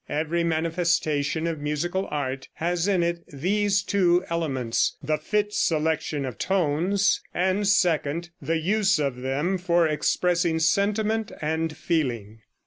Every manifestation of musical art has in it these two elements: The fit selection of tones; and, second, the use of them for expressing sentiment and feeling.